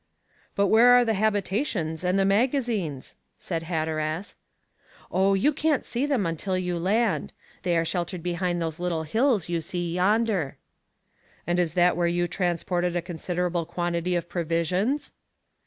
"But where are the habitations and the magazines?" said Hatteras. "Oh, you can't see them till you land; they are sheltered behind those little hills you see yonder." "And is that where you transported a considerable quantity of provisions?"